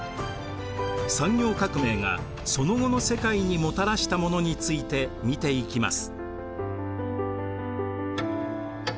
産業革命がその後の世界にもたらしたものについて見ていきます。